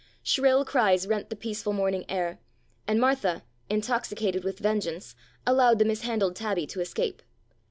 Shrill cries rent the peaceful morning air, and Martha, intoxi cated with vengeance, allowed the mishandled tabby to escape.